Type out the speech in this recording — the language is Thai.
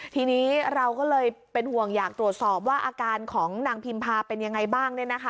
ทีนี้เราก็เลยเป็นห่วงอยากตรวจสอบว่าอาการของนางพิมพาเป็นยังไงบ้าง